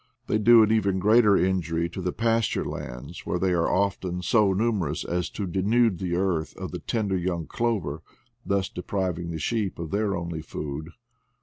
They do even greater injury to the pasture lands, where they are often so numerous as to denude the earth of the tender young clover, thus depriving the sheep of their only food.